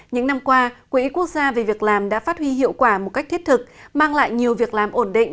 những năm qua quỹ quốc gia về việc làm đã phát huy hiệu quả một cách thiết thực mang lại nhiều việc làm ổn định